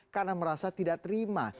karena merasa tidak terima